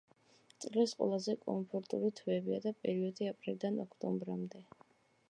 წლის ყველაზე კომფორტული თვეებია პერიოდი აპრილიდან ოქტომბრამდე.